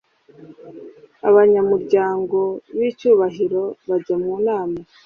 abanyamuryango b icyubahiro bajya mu nama